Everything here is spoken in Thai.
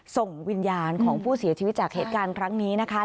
ส่งวิญญาณของผู้เสียชีวิตจากเหตุการณ์ครั้งนี้นะคะ